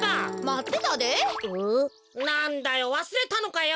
なんだよわすれたのかよ。